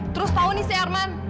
terus tahu nih si arman